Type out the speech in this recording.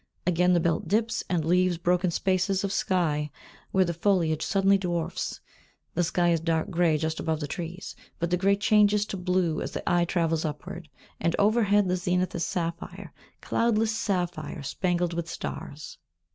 Again, the belt dips and leaves broken spaces of sky, where the foliage suddenly dwarfs. The sky is dark grey just above the trees, but the grey changes to blue as the eye travels upward, and overhead the zenith is sapphire, cloudless sapphire spangled with stars.